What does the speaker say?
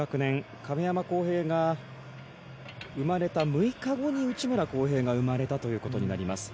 亀山耕平が生まれた６日後に内村航平が生まれたということになります。